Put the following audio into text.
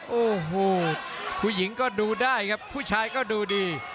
โอ้โหผู้หญิงก็ดูได้ครับผู้ชายก็ดูดี